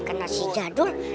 kena si jadul